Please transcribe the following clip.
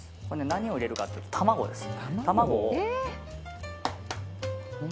何を入れるかというと卵です。